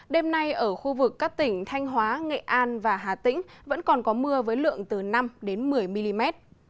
đêm nay ở khu vực các tỉnh thanh hóa nghệ an và hà tĩnh vẫn còn có mưa với lượng từ năm một mươi mm